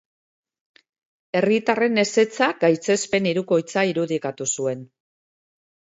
Herritarren ezetzak gaitzespen hirukoitza irudikatu zuen.